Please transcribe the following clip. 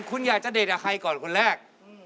คุณอยากจะเดทกับใครก่อนคนแรก